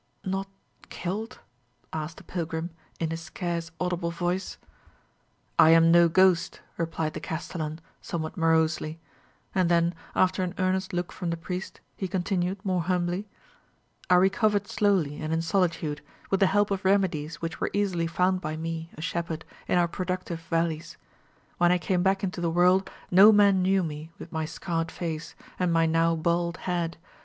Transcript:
"Not killed?" asked the pilgrim in a scarce audible voice. "I am no ghost," replied the castellan, somewhat morosely; and then, after an earnest look from the priest, he continued, more humbly: "I recovered slowly and in solitude, with the help of remedies which were easily found by me, a shepherd, in our productive valleys. When I came back into the world, no man knew me, with my scarred face, and my now bald head.